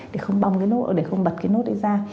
thì không bong cái nốt để không bật cái nốt đấy ra